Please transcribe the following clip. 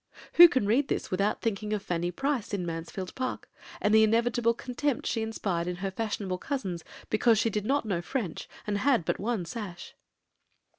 Who can read this without thinking of Fanny Price in Mansfield Park, and the inevitable contempt she inspired in her fashionable cousins because she did not know French and had but one sash?